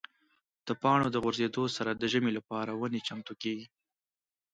د پاڼو د غورځېدو سره د ژمي لپاره ونې چمتو کېږي.